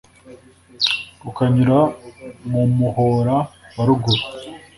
ukanyura mu muhora wa ruguru